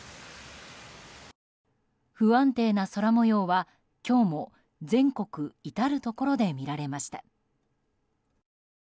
不安定な空模様は今日も全国至るところで見られました。